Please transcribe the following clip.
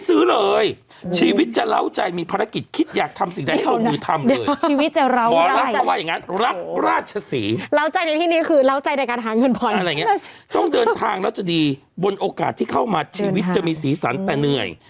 อื้อขนาดนั้นเลย